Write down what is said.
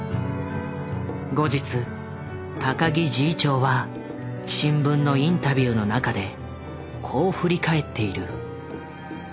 後日高木侍医長は新聞のインタビューの中でこう振り返っている。